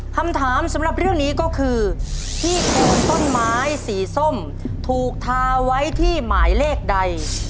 คำถามสำหรับเรื่องนี้ก็คือที่โคนต้นไม้สีส้มถูกทาไว้ที่หมายเลขใด